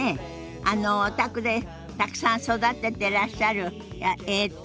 あのお宅でたくさん育ててらっしゃるえっと。